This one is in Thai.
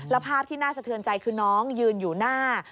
แล้วภาพที่น่าสะเทือนใจคือน้องยืนอยู่หน้า